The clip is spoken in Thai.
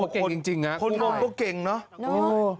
อ้อเก่งจริงนะคุณไทยโอ้เราเก่งนะโอ้